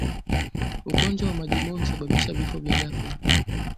Ugonjwa wa majimoyo husababisha vifo vya ghafla